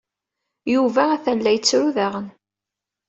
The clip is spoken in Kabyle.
Yuba atan la yettru daɣen.